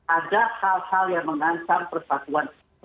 ada hal hal yang mengancam persatuan